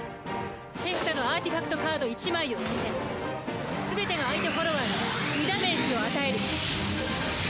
手札のアーティファクトカード１枚を捨ててすべての相手フォロワーに２ダメージを与える。